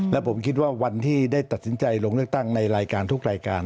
และผมคิดว่าวันที่ได้ตัดสินใจลงเลือกตั้งในรายการทุกรายการ